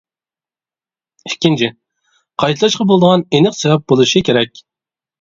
ئىككىنچى، قايتىلاشقا بولىدىغان ئېنىق سەۋەب بولۇشى كېرەك.